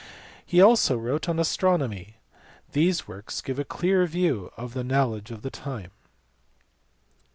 He also wrote an astronomy. These works give a clear view of the knowledge of the time.